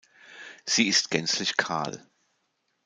Sie ist gänzlich kahl.